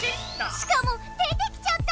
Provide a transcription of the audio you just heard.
しかも出てきちゃった！